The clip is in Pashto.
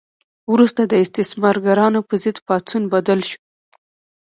وروسته د استثمارګرانو په ضد پاڅون بدل شو.